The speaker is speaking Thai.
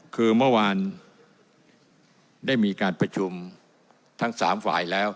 คือเมื่อวานได้มีการประชุมทั้ง๓ฝ่ายแล้ว